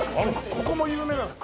ここも有名なんです。